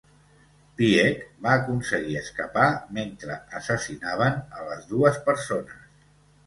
Pieck va aconseguir escapar mentre assassinaven a les dues persones.